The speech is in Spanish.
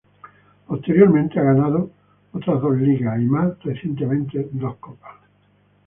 Posteriormente ha ganado otras dos ligas, y más recientemente dos copas.